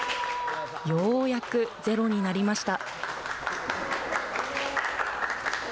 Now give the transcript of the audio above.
ようやくゼロになりました。